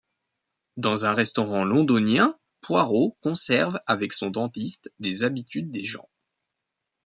Dans un restaurant londonien, Poirot converse avec son dentiste des habitudes des gens.